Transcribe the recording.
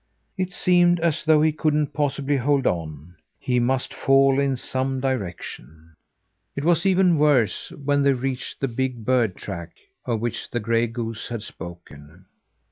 It seemed as though he couldn't possibly hold on; he must fall in some direction. It was even worse when they reached the big bird track, of which the gray goose had spoken.